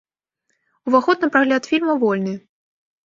Уваход на прагляд фільма вольны.